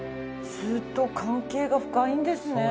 ずっと関係が深いんですね。